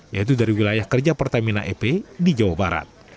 yaitu dari wilayah kerja pertamina ep di jawa barat